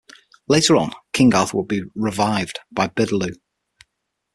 Later on, King Arthur would be 'revived' by Biddeloo.